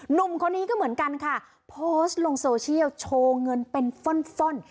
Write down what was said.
หนุ่มคนนี้ก็เหมือนกันค่ะโพสต์ลงโซเชียลโชว์เงินเป็นฟ่อนฟ่อน